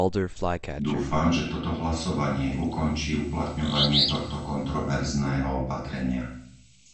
Dúfam, že toto hlasovanie ukončí uplatňovanie tohto kontroverzného opatrenia.